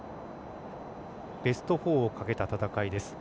ベスト４をかけた戦い。